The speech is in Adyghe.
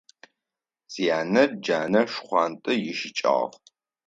Сянэ джэнэ шхъуантӏэ ищыкӏагъ.